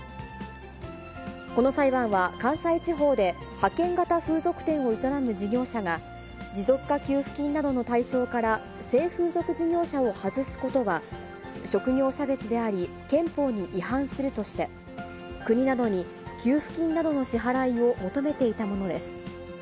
この裁判は、関西地方で、派遣型風俗店を営む事業者が、持続化給付金などの対象から、性風俗事業者を外すことは、職業差別であり、憲法に違反するとして、国などに給付金などの支払いを求めていたものです。